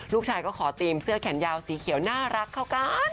ลูกชายก็ขอตีมเสื้อแขนยาวสีเขียวน่ารักเข้ากัน